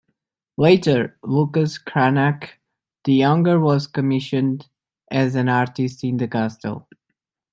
Later, Lucas Cranach the Younger was commissioned as an artist in the castle.